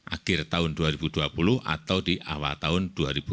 akhir tahun dua ribu dua puluh atau di awal tahun dua ribu dua puluh